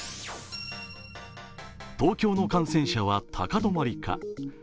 東京の感染者は高止まりか。